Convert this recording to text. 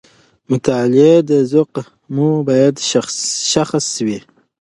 د مطالعې ذوق مو باید مشخص وي.